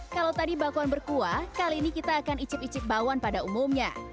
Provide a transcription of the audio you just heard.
kalau tadi bakwan berkuah kali ini kita akan icip icip bakwan pada umumnya